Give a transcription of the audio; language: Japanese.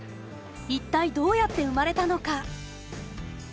一体どうやって生まれたのか。